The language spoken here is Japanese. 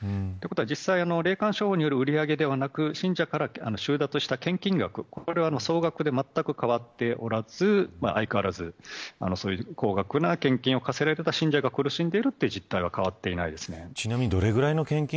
実際、霊感商法による売り上げではなく信者から争奪した金額それらまったく変わっておらず相変わらず、高額な献金を科せられた信者が苦しんでいるという事態は変わっていないですね。